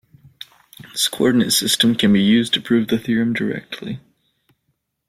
This coordinate system can be used to prove the theorem directly.